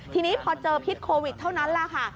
ทีนี้พอเจอพิษโควิดเท่านั้นแหละค่ะ